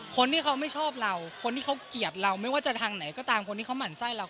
คนที่เขาไม่ชอบเราคนที่เขาเกลียดเราไม่ว่าจะทางไหนก็ตามคนที่เขาหมั่นไส้เรา